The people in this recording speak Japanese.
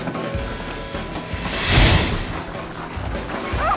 あっ！